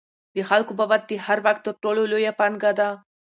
د خلکو باور د هر واک تر ټولو لویه پانګه ده